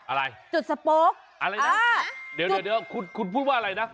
อะไรจุดสโป๊กอะไรนะเดี๋ยวคุณพูดว่าอะไรนะ